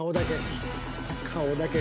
顔だけ。